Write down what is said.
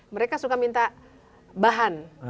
mereka suka minta bahan